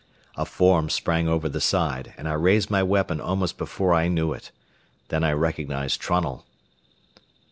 A form sprang over the side, and I raised my weapon almost before I knew it. Then I recognized Trunnell.